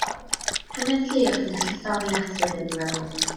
Hanes Llŷr, sy'n darllen stori arswyd yn ei wely.